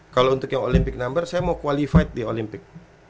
kalau untuk yang olympic number saya mau qualified di olimpik